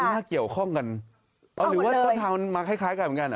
มันน่าเกี่ยวข้องกันเอาหมดเลยหรือว่าจะทำมาคล้ายกันเหมือนกันเหรอ